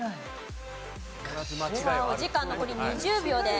さあお時間残り２０秒です。